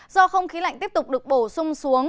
do không khí lạnh tiếp tục được bổ sung xuống